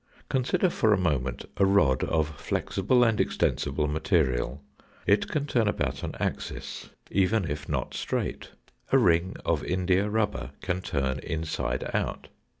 Consider for a moment a rod of flexible and extensible material. It can turn about an axis, even if not straight ; a ring of india rubber can turn inside out.